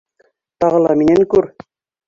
Тағы ла минән күр!